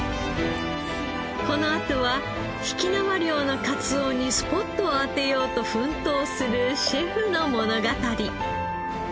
このあとは曳縄漁のかつおにスポットを当てようと奮闘するシェフの物語。